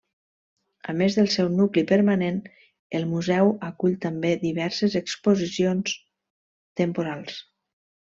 A més del seu nucli permanent, el museu acull també diverses exposicions temporals.